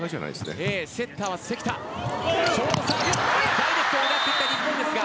ダイレクトを狙っていった日本ですが。